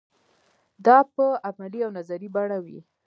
دا په عملي او نظري بڼه وي.